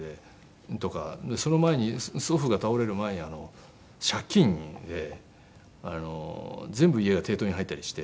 その前に祖父が倒れる前に借金で全部家が抵当に入ったりして。